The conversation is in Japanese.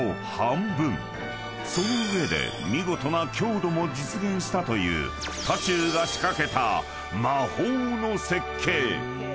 ［その上で見事な強度も実現したという多仲が仕掛けた魔法の設計］